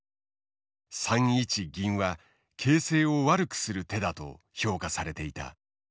３一銀は形勢を悪くする手だと評価されていた。